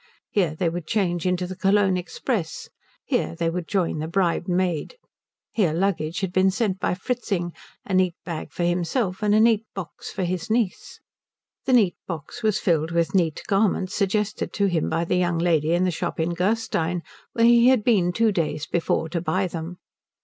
Here they would change into the Cologne express; here they would join the bribed maid; here luggage had been sent by Fritzing, a neat bag for himself, and a neat box for his niece. The neat box was filled with neat garments suggested to him by the young lady in the shop in Gerstein where he had been two days before to buy them.